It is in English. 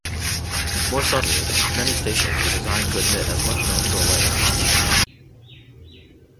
More subtly, many stations were designed to admit as much natural light as possible.